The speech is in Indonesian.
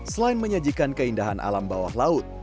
selain menyajikan keindahan alam bawah laut